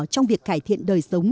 trong việc cải thiện đời sống